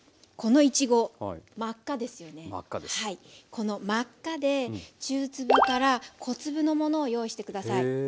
この真っ赤で中粒から小粒のものを用意して下さい。